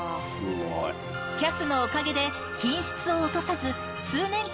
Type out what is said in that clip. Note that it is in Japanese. ＣＡＳのおかげで品質を落とさず数年間